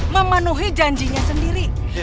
memenuhi janjinya sendiri